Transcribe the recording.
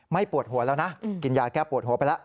ปวดหัวแล้วนะกินยาแก้ปวดหัวไปแล้ว